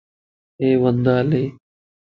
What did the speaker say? اھي وندا ھلي